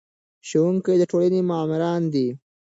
ښوونکي د ټولنې معماران دي.